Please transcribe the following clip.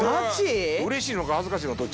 うれしいのか恥ずかしいどっち？